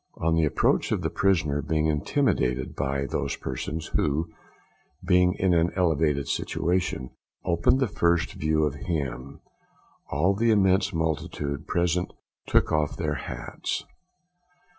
On the approach of the prisoner being intimated by those persons who, being in an elevated situation, obtained the first view of him, all the immense multitude present took off their hats.